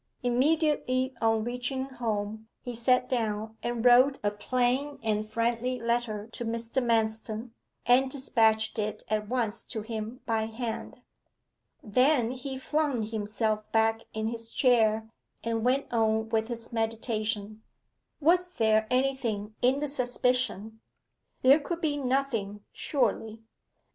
Immediately on reaching home, he sat down and wrote a plain and friendly letter to Mr. Manston, and despatched it at once to him by hand. Then he flung himself back in his chair, and went on with his meditation. Was there anything in the suspicion? There could be nothing, surely.